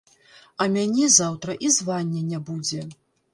А мяне заўтра і звання не будзе.